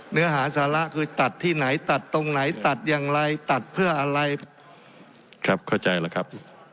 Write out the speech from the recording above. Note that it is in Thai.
เนื้อหาสาระคือตัดที่ไหนตัดตรงไหนตัดอย่างไรตัดเพื่ออะไรครับเข้าใจแล้วครับ